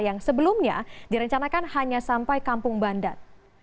yang sebelumnya direncanakan hanya sampai kampung bandar